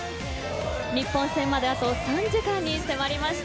日本戦まであと３時間に迫りました。